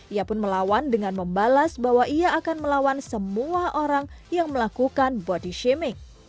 ia pun melawan dengan membalas bahwa ia akan melawan semua orang yang melakukan body shaming